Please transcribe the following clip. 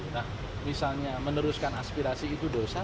nah misalnya meneruskan aspirasi itu dosa